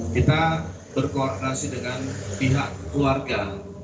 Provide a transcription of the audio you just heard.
kita berkoordinasi dengan pihak keluarga